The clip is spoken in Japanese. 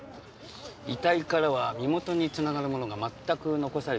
遺体からは身元に繋がるものが全く残されておりません。